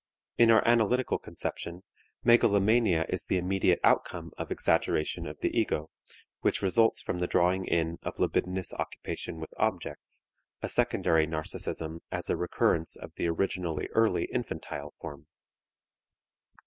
In our analytical conception megalomania is the immediate outcome of exaggeration of the ego, which results from the drawing in of libidinous occupation with objects, a secondary narcism as a recurrence of the originally early infantile form.